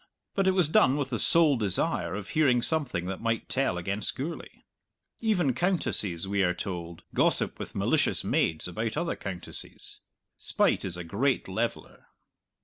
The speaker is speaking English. But it was done with the sole desire of hearing something that might tell against Gourlay. Even countesses, we are told, gossip with malicious maids about other countesses. Spite is a great leveller.